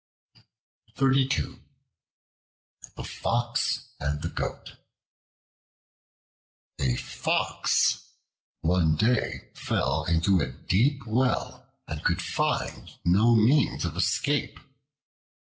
The Fox and the Goat A FOX one day fell into a deep well and could find no means of escape.